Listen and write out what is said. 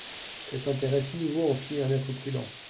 Cet intérêt si nouveau en fit un être prudent.